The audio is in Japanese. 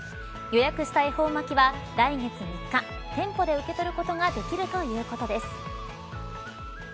予約した恵方巻は来月３日、店舗で受け取ることができるということです。